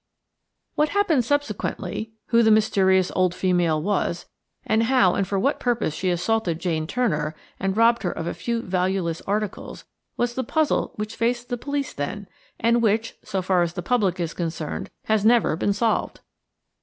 What happened subsequently, who the mysterious old female was, and how and for what purpose she assaulted Jane Turner and robbed her of a few valueless articles, was the puzzle which faced the police then, and which–so far as the public is concerned–has never been solved.